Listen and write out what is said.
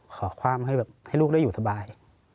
ขอความให้แบบให้ลูกได้อยู่สบาย